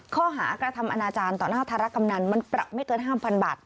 ข้อหากระทำอนาจารย์ต่อหน้าธารกำนันมันปรับไม่เกิน๕๐๐บาท